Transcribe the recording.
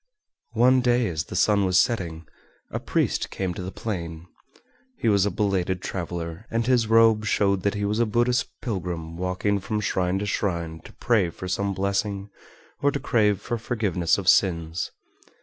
One day as the sun was setting, a priest came to the plain. He was a belated traveler, and his robe showed that he was a Buddhist pilgrim walking from shrine to shrine to pray for some blessing or to crave for forgiveness of sins.